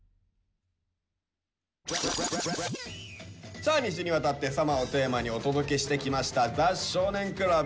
さあ２週にわたって「ＳＵＭＭＥＲ」をテーマにお届けしてきました「ザ少年倶楽部」。